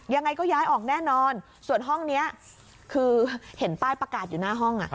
ยังไงก็ย้ายออกแน่นอนส่วนห้องนี้คือเห็นป้ายประกาศอยู่หน้าห้อง